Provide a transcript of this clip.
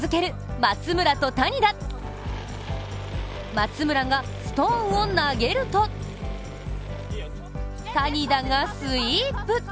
松村がストーンを投げると、谷田がスイープ。